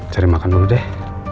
cari makan dulu deh